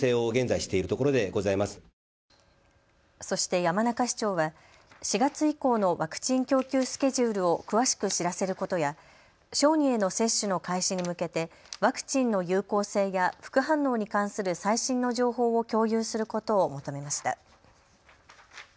そして山中市長は４月以降のワクチン供給スケジュールを詳しく知らせることや小児への接種の開始に向けてワクチンの有効性や副反応に関する最新の情報を共有することを求めました。